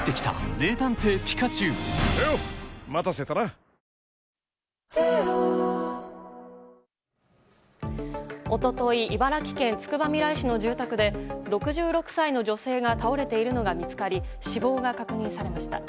日本代表と共に最高の渇きにＤＲＹ一昨日茨城県つくばみらい市の住宅で６６歳の女性が倒れているのが見つかり死亡が確認されました。